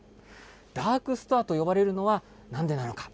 ダークストアと呼ばれるのはなんでなのか。